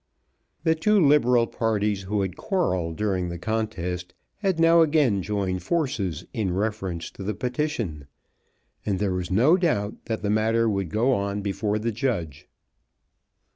The two Liberal parties who had quarrelled during the contest had now again joined forces in reference to the petition, and there was no doubt that the matter would go on before the judge.